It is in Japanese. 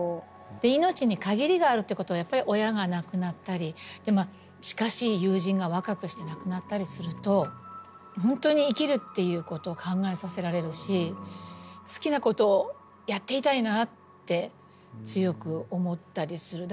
命に限りがあるってことはやっぱり親が亡くなったり近しい友人が若くして亡くなったりすると本当に生きるっていうことを考えさせられるし好きなことをやっていたいなって強く思ったりする。